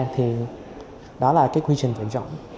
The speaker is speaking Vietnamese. thì đó là cái quy trình tuyển trọng